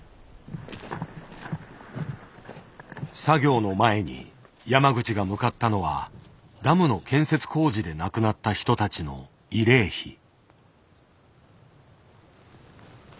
作業の前に山口が向かったのはダムの建設工事で亡くなった人たちの慰霊碑。